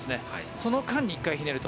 その間に１回ひねると。